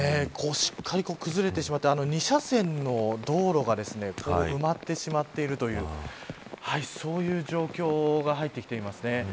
しっかり崩れてしまって２車線の道路が埋まってしまっているというそういう状況が入ってきています。